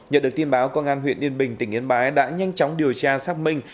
nhận được tin báo công an huyện yên bình tỉnh yên bái đã nhanh chóng điều tra xác minh